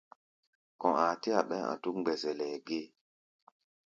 Kɔ̧ aa tɛ́-a ɓɛɛ́ a̧ dúk mgbɛzɛlɛ gée.